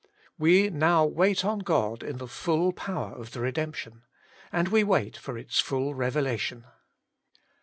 We now wait on God in the full power of the redemption : and we wait for its full revelation.